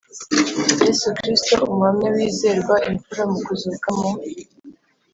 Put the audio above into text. Yesu Kristo Umuhamya Wizerwa Imfura mu kuzuka mu